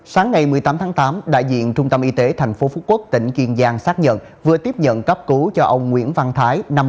sáng ngày một mươi tám tháng tám đại diện trung tâm y tế tp phú quốc tỉnh kiên giang xác nhận vừa tiếp nhận cấp cứu cho ông nguyễn văn thái